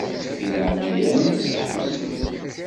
Di leɛnaya-m susem.